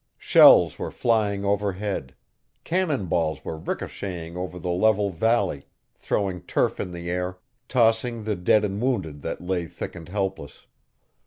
Shells were flying overhead; cannonballs were ricocheting over the level valley, throwing turf in the air, tossing the dead and wounded that lay thick and helpless.